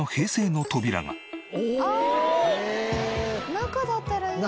中だったらいいんだ。